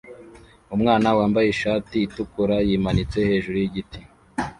Umwana wambaye ishati itukura yimanitse hejuru yigiti